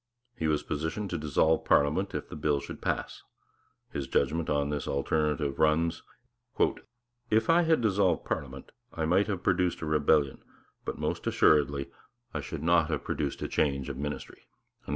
He was petitioned to dissolve parliament if the bill should pass; his judgment on this alternative runs: 'If I had dissolved parliament, I might have produced a rebellion, but most assuredly I should not have produced a change of ministry.'